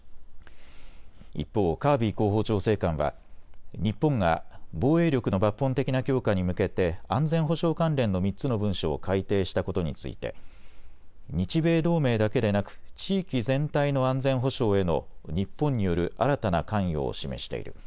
一方、カービー広報調整官は日本が防衛力の抜本的な強化に向けて安全保障関連の３つの文書を改定したことについて日米同盟だけでなく地域全体の安全保障への日本による新たな関与を示している。